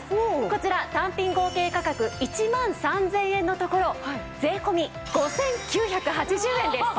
こちら単品合計価格１万３０００円のところ税込５９８０円です。